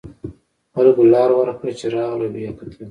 خلکو لار ورکړه چې راغله و یې کتل.